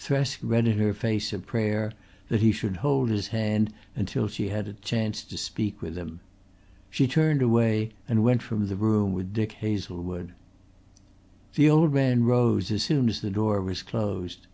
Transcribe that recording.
Thresk read in her face a prayer that he should hold his hand until she had a chance to speak with him. She turned away and went from the room with Dick Hazlewood. The old man rose as soon as the door was closed.